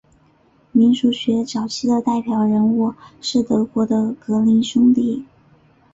民俗学早期的代表人物是德国的格林兄弟。